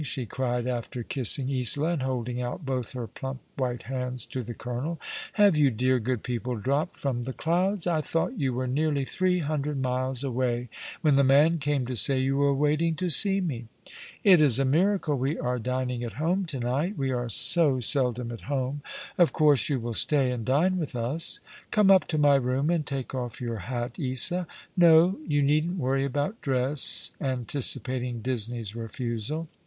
" she cried, after kissing Isola, and holding out both her plump, white hands to the colonel. "Have you dear, good people dropped from the clouds? I thought you were nearly three hundred miles away when the man came to say you were waiting to see me. It is a miracle wo are dining at home to night. We are so seldom at home. Of course you will stay and dine with us. Come up to my room and take off your hat, Isa. No, you needn't worry about dress," anticipating Disney's refusal ;" we are quite alone.